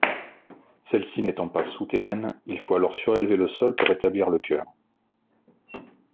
Celle-ci n'étant pas souterraine il faut alors surélever le sol pour établir le chœur.